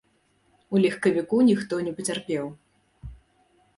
У легкавіку ніхто не пацярпеў.